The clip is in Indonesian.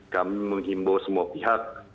kami menghimbau semua pihak